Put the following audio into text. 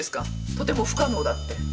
とても不可能だって。